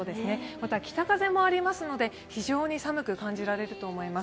また、北風もありますので非常に寒く感じられると思います。